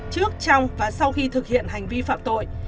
trước trong và sau khi thực hiện hành vi phạm tội